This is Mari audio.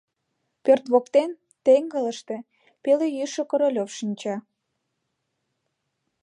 Пӧрт воктен теҥгылыште пеле йӱшӧ Королёв шинча.